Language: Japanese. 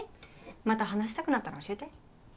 また話したくなったら教えて。